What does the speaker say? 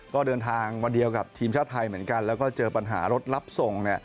ก็เดินทางวันเดียวกับทีมชาติไทยเหมือนกันแล้วก็เจอปัญหารถรับส่ง